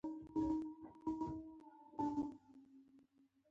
د ټولو ژبو شاعران او لیکوال ورته راتلل.